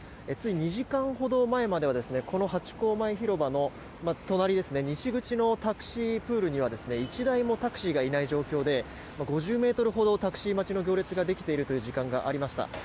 つい２時間ほど前まではこのハチ公前広場の隣の西口のタクシープールには１台もタクシーがいない状況で５０ｍほどタクシー待ちの行列ができている時間もありました。